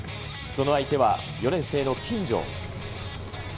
その相手は４年生の金城。